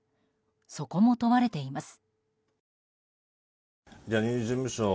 そこも問われています。